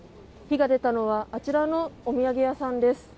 火が出たのはあちらのお土産屋さんです。